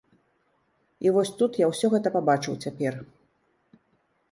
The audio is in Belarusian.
І вось тут я ўсё гэта пабачыў цяпер.